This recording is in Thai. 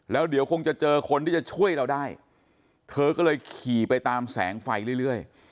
แล้วเดี๋ยวคงจะเจอคนที่จะช่วยเราได้เธอก็เลยขี่ไปตามแสงไฟเรื่อย